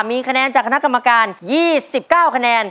มีคะแนนจากคณะกรรมการ๒๙คะแนน